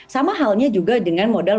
sama halnya juga dengan modal